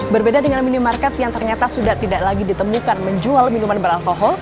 berbeda dengan minimarket yang ternyata sudah tidak lagi ditemukan menjual minuman beralkohol